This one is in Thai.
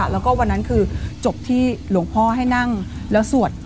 แล้วก็วันนั้นคือจบที่หลวงพ่อให้นั่งแล้วสวด